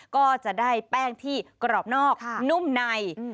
ก็จะได้แป้งที่กรอบนอกนุ่มใน